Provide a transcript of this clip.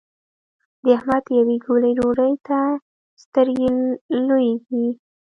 د احمد يوې ګولې ډوډۍ ته سترګې لوېږي.